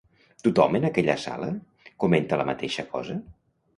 Tothom en aquella sala comenta la mateixa cosa?